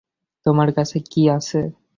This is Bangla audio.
তোমার কাছে কি আছে?